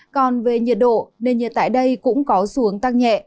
còn về nhiệt độ nền nhiệt tại đây cũng có xuống tăng nhẹ